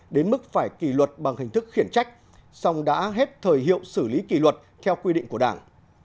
đến mức phải kỷ luật bằng hình thức khiển trách xong đã hết thời hiệu xử lý kỷ luật theo quy định của đảng